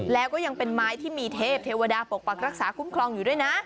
แล้วก็ยังเป็นไม้ที่มีเทพเทวดาปกปักรักษาคุ้มครองอยู่ด้วยนะ